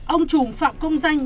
ông trùng phạm công danh